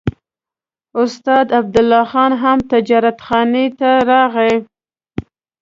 استاد عبدالله خان هم تجارتخانې ته راغی.